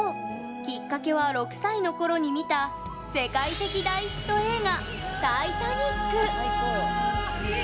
きっかけは６歳の頃に見た世界的大ヒット映画「タイタニック」。